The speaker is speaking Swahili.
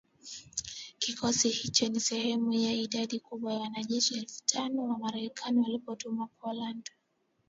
Kikosi hicho ni sehemu ya idadi kubwa ya wanajeshi elfu tano wa Marekani waliotumwa Poland